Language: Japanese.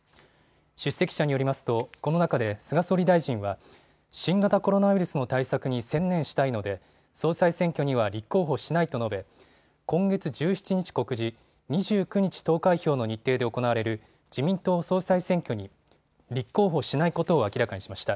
出席者によりますとこの中で菅総理大臣は新型コロナウイルスの対策に専念したいので総裁選挙には立候補しないと述べ今月１７日告示、２９日投開票の日程で行われる自民党総裁選挙に立候補しないことを明らかにしました。